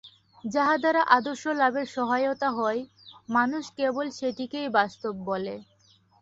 যাহা দ্বারা আদর্শলাভের সহায়তা হয়, মানুষ কেবল সেটিকেই বাস্তব বলে।